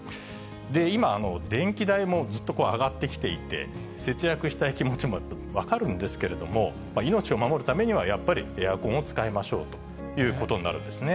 今、電気代もずっと上がってきていて、節約したい気持ちも分かるんですけれども、命を守るためにはやっぱりエアコンを使いましょうということになるんですね。